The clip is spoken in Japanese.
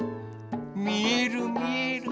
みえるみえる。